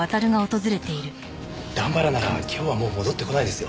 段原なら今日はもう戻って来ないですよ。